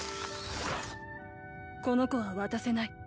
この子は渡せない。